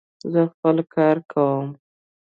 زه خپل کار کوم.